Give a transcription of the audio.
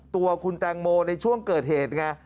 ตัวคุณแตงโมในช่วงเกิดเหตุไง